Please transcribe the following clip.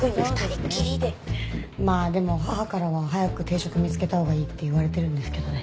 まあでも母からは早く定職見つけたほうがいいって言われてるんですけどね。